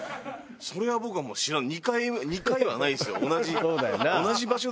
それは僕はもう知らない。